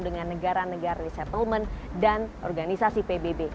dengan negara negara resettlement dan organisasi pbb